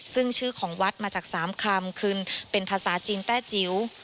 ซึ่งชื่อของวัดมาจากสามคำคือเป็นภาษาจีนแต้จิ๋ว